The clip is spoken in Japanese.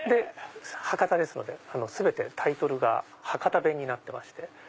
⁉博多ですので全てタイトルが博多弁になってまして。